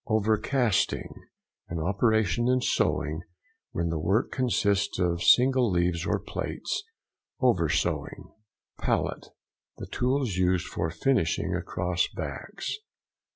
OVERCASTING.—An operation in sewing, when the work consists of single leaves or plates. Over sewing. PALLET.—The tools used for finishing across backs.